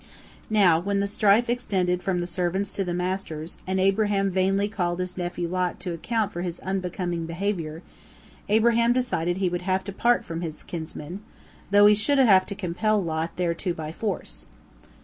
Now, when the strife extended from the servants to the masters, and Abraham vainly called his nephew Lot to account for his unbecoming behavior, Abraham decided he would have to part from his kinsman, though he should have to compel Lot thereto by force.